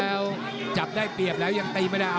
อันนี้จะพลิกออกพลิกไม่ได้ของนำคน